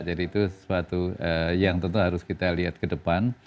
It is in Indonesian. jadi itu sesuatu yang tentu harus kita lihat ke depan